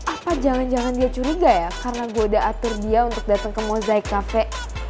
apa jangan jangan dia curiga ya karena gue udah atur dia untuk datang ke mozaik cafe